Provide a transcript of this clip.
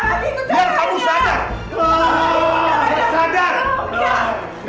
pengen melampaui siku membuang sayangku